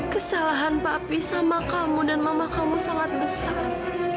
kesalahan papi sama kamu dan mama kamu sangat besar